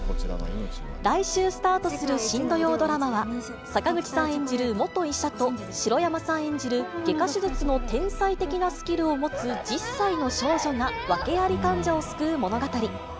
来週スタートする新土曜ドラマは、坂口さん演じる元医者と、白山さん演じる外科手術の天才的なスキルを持つ１０歳の少女が訳あり患者を救う物語。